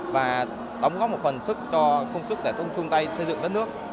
và đóng góp một phần sức cho công sức để tôn trung tay xây dựng đất nước